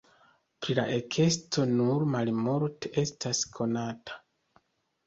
Pri la ekesto nur malmulte estas konata.